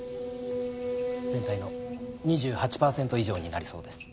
全体の２８パーセント以上になりそうです。